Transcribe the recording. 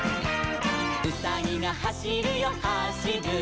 「うさぎがはしるよはしる」